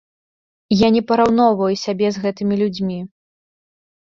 Я не параўноўваю сябе з гэтымі людзьмі.